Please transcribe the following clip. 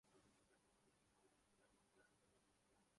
موجودہ زمانے میں امتِ مسلمہ کا ایک بڑا المیہ یہ ہے